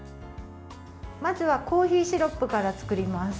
まずは、コーヒーシロップから作ります。